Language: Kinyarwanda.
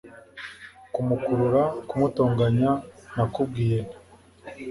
Kumukurura kumutonganya Nakubwiye nti